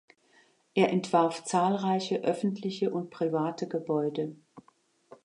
Er entwarf zahlreiche öffentliche und private Gebäude.